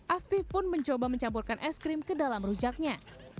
afif pun mencoba mencampurkan es krim ke dalam rujaknya